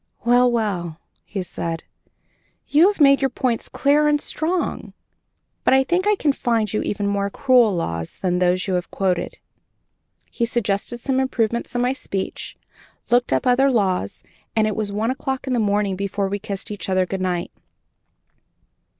"Well, well!" he said, "you have made your points clear and strong; but I think I can find you even more cruel laws than those you have quoted." He suggested some improvements in my speech, looked up other laws, and it was one o'clock in the morning before we kissed each other good night.